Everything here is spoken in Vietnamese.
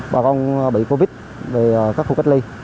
bà con bị covid về các khu cách ly